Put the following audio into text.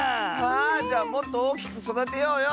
あじゃもっとおおきくそだてようよ！